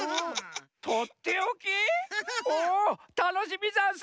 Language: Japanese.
おたのしみざんす！